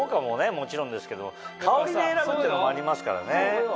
もちろんですけど香りで選ぶってのもありますからね。